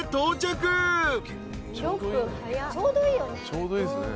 ちょうどいいよね。